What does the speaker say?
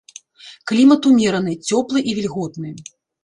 Клімат умераны, цёплы і вільготны.